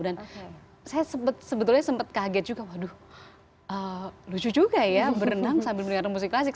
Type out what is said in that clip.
dan saya sebetulnya sempat kaget juga waduh lucu juga ya berenang sambil mendengarkan musik klasik